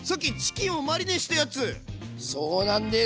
そうなんです。